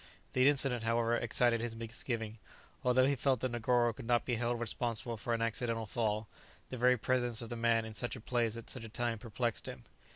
The incident, however, excited his misgiving; although he felt that Negoro could not be held responsible for an accidental fall, the very presence of the man in such a place at such a time perplexed him.